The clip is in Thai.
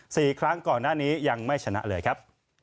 สี่ครั้งก่อนหน้านี้ยังไม่ชนะเลยครับ